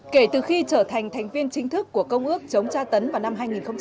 kể từ khi trở thành thành viên chính thức của công ước chống tra tấn vào năm hai nghìn một mươi